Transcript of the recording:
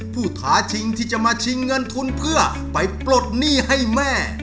ท้าชิงที่จะมาชิงเงินทุนเพื่อไปปลดหนี้ให้แม่